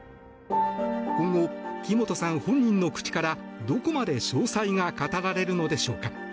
今後、木本さん本人の口からどこまで詳細が語られるのでしょうか。